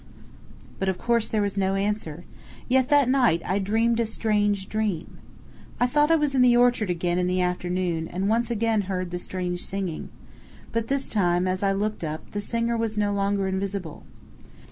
But, of course, there was no answer; yet that night I dreamed a strange dream. I thought I was in the orchard again in the afternoon and once again heard the strange singing but this time, as I looked up, the singer was no longer invisible.